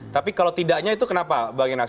tapi kalau tidaknya itu kenapa pak ginas